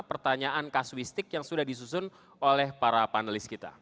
pertanyaan kasuistik yang sudah disusun oleh para panelis kita